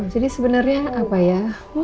jadi sebenernya apa ya